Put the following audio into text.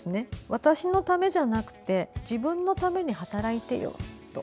「私のためじゃなくて、自分のために働いてよ」と。